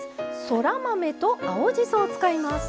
そら豆と青じそを使います。